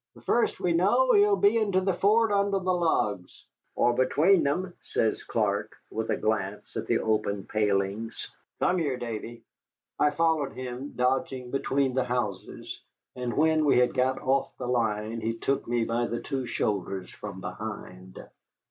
"The first we know he'll be into the fort under the logs." "Or between them," says Clark, with a glance at the open palings. "Come here, Davy." I followed him, dodging between the houses, and when we had got off the line he took me by the two shoulders from behind.